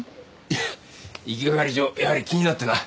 いきがかり上やはり気になってな。